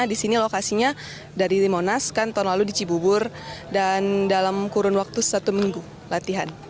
di sini lokasinya dari monas kan tahun lalu di cibubur dan dalam kurun waktu satu minggu latihan